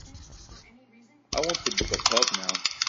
I want to book a pub now.